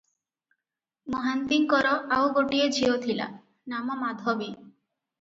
ମହାନ୍ତିଙ୍କର ଆଉ ଗୋଟିଏ ଝିଅ ଥିଲା, ନାମ ମାଧବୀ ।